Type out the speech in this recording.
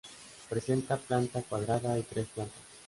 Presenta planta cuadrada y tres plantas.